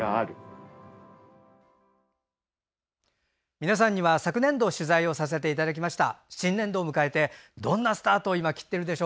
皆さんには昨年度取材をさせていただきました。